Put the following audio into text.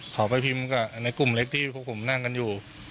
เขาไปพิมพ์กับในกลุ่มเล็กที่พวกผมนั่งกันอยู่